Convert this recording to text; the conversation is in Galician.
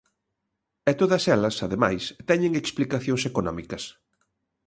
E todas elas, ademais, teñen explicacións económicas.